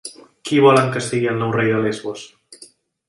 Qui volen que sigui el nou rei de Lesbos?